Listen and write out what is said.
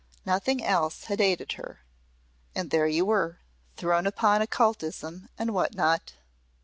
Nothing else had aided her. And there you were thrown upon occultism and what not!